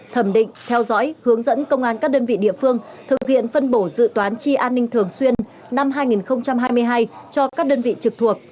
thẩm định theo dõi hướng dẫn công an các đơn vị địa phương thực hiện phân bổ dự toán chi an ninh thường xuyên năm hai nghìn hai mươi hai cho các đơn vị trực thuộc